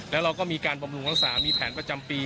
แล้วเราก็มีการบำรุงรักษามีแผนประจำปี